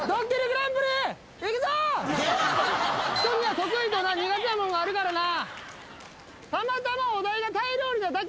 人には得意とな苦手なもんがあるからな。